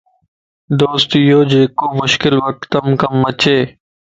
دوست ايو جيڪو مشڪل وقتم ڪم اچي